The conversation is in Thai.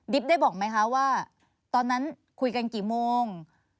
ได้บอกไหมคะว่าตอนนั้นคุยกันกี่โมง